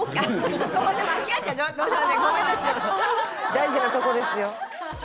大事なとこですよ。